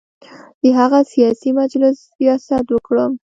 د هغه سیاسي مجلس ریاست وکړم.